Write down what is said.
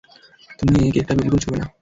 তুমি কেকটা বিলকুল ছোঁবে না!